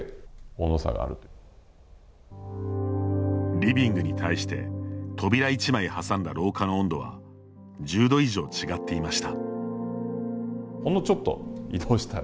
リビングに対して扉１枚挟んだ廊下の温度は１０度以上、違っていました。